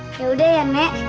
ya udah ya nek